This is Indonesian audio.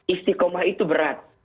istikomah itu berat